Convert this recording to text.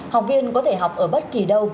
học viên có thể học ở bất kỳ đâu